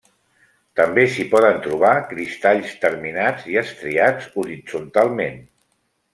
També s'hi poden trobar cristalls terminats i estriats horitzontalment.